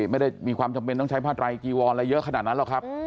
ไม่ได้มีความจำเป็นต้องใช้ผ้าไรจีวรอะไรเยอะขนาดนั้นหรอกครับ